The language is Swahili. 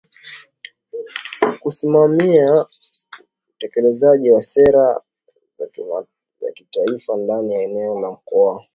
kusimamia utekelezaji wa sera za Kitaifa ndani ya eneo la Mkoa